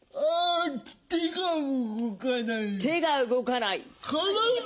手が動かない。